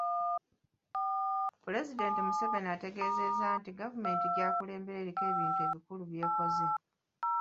Pulezidenti Museveni ategeezezza nti gavumenti gy'akulembera eriko ebintu ebikulu byekoze.